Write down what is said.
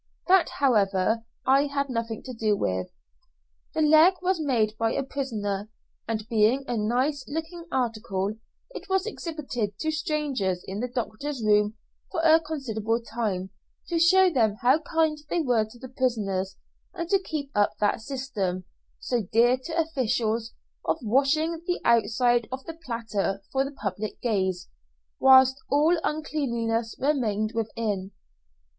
That, however, I had nothing to do with. The leg was made by a prisoner, and being a nice looking article, it was exhibited to strangers in the doctor's room for a considerable time, to show them how kind they were to the prisoners, and to keep up that system, so dear to officials, of washing the outside of the platter for the public gaze, whilst all uncleanliness remained within.